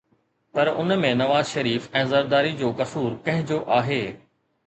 پر ان ۾ نواز شريف ۽ زرداري جو قصور ڪنهن جو آهي؟